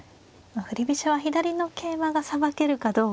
振り飛車は左の桂馬がさばけるかどうかで。